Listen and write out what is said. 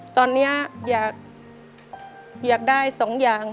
ตอนนี้อยากได้๒อย่าง